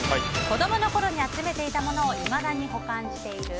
子供の頃に集めていたものをいまだに保管している？